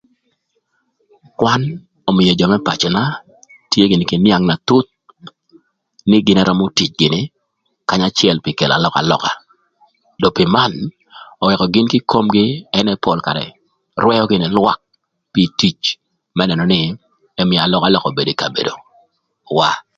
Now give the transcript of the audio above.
Kwan ömïö jö më pacöna tye gïnï kï nïang na thuth nï gïn ërömö tic gïnï kanya acël pï kelo alökalöka. Dong pï man öwëkö gïn kï komgï ënë pol karë rwëö gïnï lwak pï tic më nënö nï ëmïö alökalöka obedo ï kabedowa.